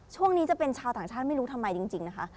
ช่วงนี้จะเป็นชาวต่างชาติไม่รู้ทำไมจริงนะคะ